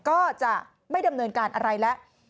ก็จะไม่ดำเนินการอะไรแล้ว